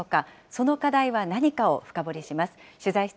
その課題は何かを深掘りします。